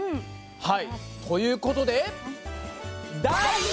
はいということで。